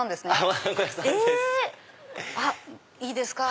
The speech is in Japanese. いいですか？